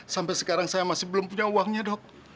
sampai sekarang saya masih belum punya uangnya dok